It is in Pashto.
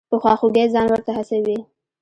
په خواخوږۍ ځان ورته هڅوي.